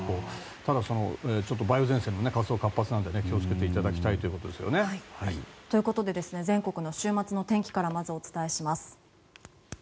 ただ、梅雨前線の活動が活発なので気をつけていただきたいということですけどね。ということで全国の週末の天気からまずお伝えします。